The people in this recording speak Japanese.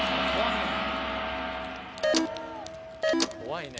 怖いね。